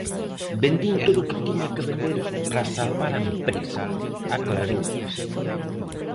"Vendín todo o que tiña que vender para salvar a empresa", aclarou.